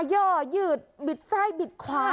หย่อหยืดบิดไส้บิดขวา